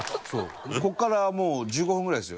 ここから１５分ぐらいですよ